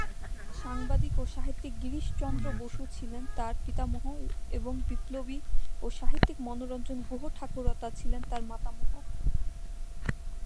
সাংবাদিক ও সাহিত্যিক গিরিশচন্দ্র বসু ছিলেন তার পিতামহ এবং বিপ্লবী ও সাহিত্যিক মনোরঞ্জন গুহঠাকুরতা ছিলেন তার মাতামহ।